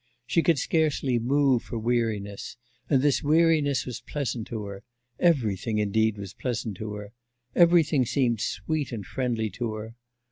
She could scarcely move for weariness, and this weariness was pleasant to her; everything, indeed, was pleasant to her. Everything seemed sweet and friendly to her.